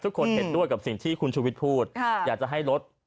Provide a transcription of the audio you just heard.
ทุกคนเห็นด้วยกับสิ่งที่คุณชุวิตพูดอยากจะให้ลด